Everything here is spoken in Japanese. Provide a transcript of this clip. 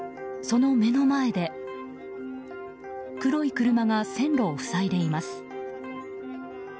その目の前で黒い車が線路を塞いでいます。